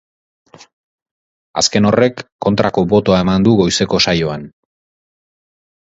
Azken horrek kontrako botoa eman du goizeko saioan.